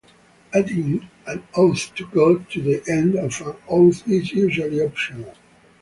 Adding an oath to God to the end of an oath is usually optional.